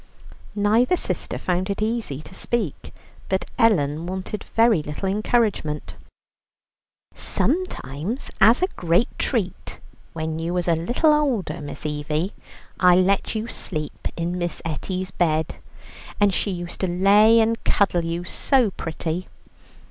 Neither sister found it easy to speak, but Ellen wanted very little encouragement. "Sometimes as a great treat, when you was a little older, Miss Evie, I let you sleep in Miss Etty's bed, and she used to lay and cuddle you so pretty.